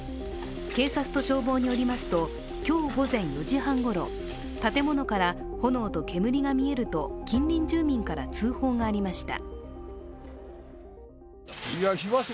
警察と消防によりますと今日午前４時半ごろ建物から炎と煙が見えると近隣住民から通報がありました。